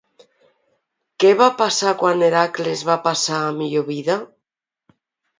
Què va passar quan Hèracles va passar a millor vida?